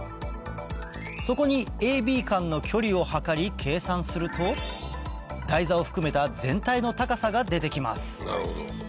そこにＡＢ間の距離を測り計算すると台座を含めた全体の高さが出てきます